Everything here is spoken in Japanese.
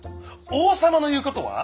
王様の言うことは。